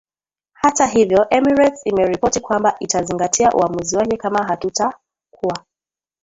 Hata hivyo Emirates imeripoti kwamba itazingatia uamuzi wake kama hakutakuwa